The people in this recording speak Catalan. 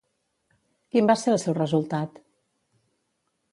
Quin va ser el seu resultat?